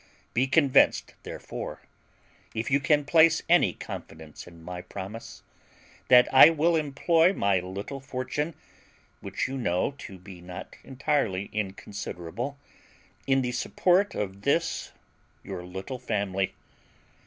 Be convinced, therefore, if you can place any confidence in my promise, that I will employ my little fortune, which you know to be not entirely inconsiderable, in the support of this your little family.